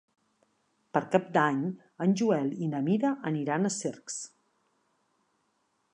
Per Cap d'Any en Joel i na Mira aniran a Cercs.